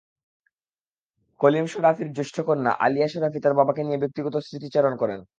কলিম শরাফীর জ্যেষ্ঠা কন্যা আলিয়া শরাফী তাঁর বাবাকে নিয়ে ব্যক্তিগত স্মৃতিচারণ করেন।